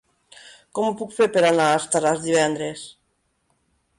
Com ho puc fer per anar a Estaràs divendres?